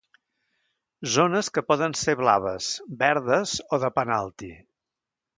Zones que poden ser blaves, verdes o de penalti.